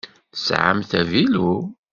Tesɛamt avilu?